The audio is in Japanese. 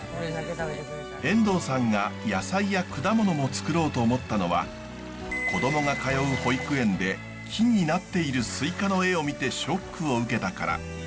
遠藤さんが野菜や果物もつくろうと思ったのは子どもが通う保育園で木になっているスイカの絵を見てショックを受けたから。